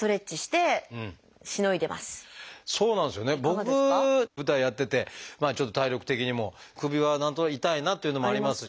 僕舞台やっててまあちょっと体力的にも首は何となく痛いなというのもあります。